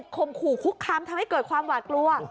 มขู่คุกคามทำให้เกิดความหวาดกลัว